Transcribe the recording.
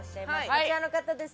こちらの方です。